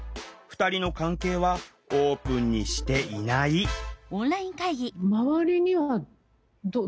２人の関係はオープンにしていないあ。